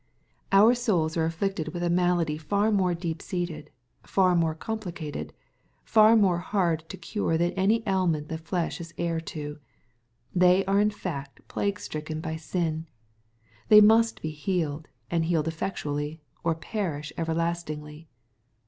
Our souls are afflicted with a malady far more deep seated, far more complicated, far more hard to cure than any ailment that flesh is heir to. They are in fact plague stricken by sin. They must be healed, and healed effectually, or perish everlastingly.